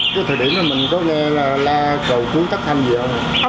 cái thời điểm này mình có nghe là la cầu trúng tắt thanh gì không